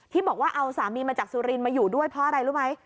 ที่บอกว่าเอาสามีมาจากสุรินทร์มาอยู่ด้วยเพราะอะไรรู้ไหม